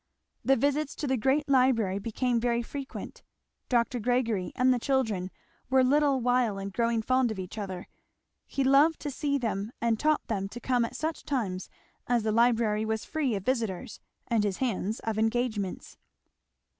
The visits to the great library became very frequent. Dr. Gregory and the children were little while in growing fond of each other; he loved to see them and taught them to come at such times as the library was free of visitors and his hands of engagements.